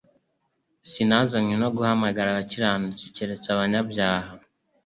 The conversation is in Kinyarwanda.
Sinazanywe no guhamagara abakiranutsi keretse abanyabyaha."